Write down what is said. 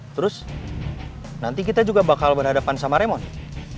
terus nanti kita juga bakal berhadapan sama raymond